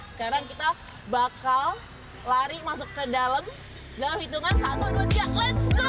sekarang kita bakal lari masuk ke dalam dalam hitungan satu dua tiga ⁇ lets ⁇ go